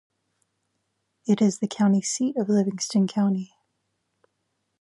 It is the county seat of Livingston County.